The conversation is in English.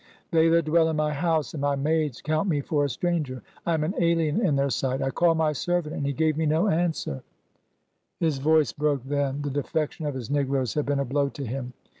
They that dwell in my house, and my maids, count me for a stranger : I am an alien in their sight. '' I called my servant, and he gave me no answer—" His voice broke then. The defection of his negroes had been a blow to him.